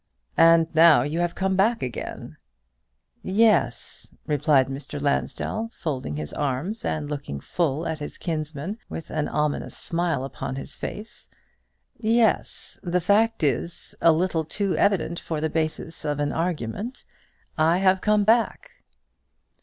"And now you have come back again." "Yes," replied Mr. Lansdell, folding his arms and looking full at his kinsman, with an ominous smile upon his face, "yes; the fact is a little too evident for the basis of an argument. I have come back."